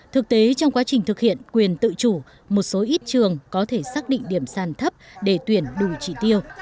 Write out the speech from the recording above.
thực tế trong quá trình thực hiện quyền tự chủ một số ít trường có thể xác định điểm sàn thấp để tuyển đủ trị tiêu